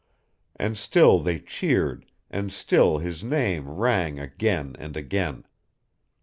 And still they cheered and still his name rang again and again.